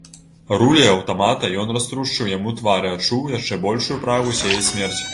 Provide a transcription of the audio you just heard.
Руляю аўтамата ён раструшчыў яму твар і адчуў яшчэ большую прагу сеяць смерць.